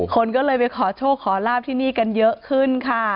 คนก็เลยไปขอโชคขอลาบที่นี่กันเยอะขึ้นค่ะ